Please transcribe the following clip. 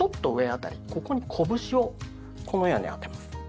ここに拳をこのように当てます。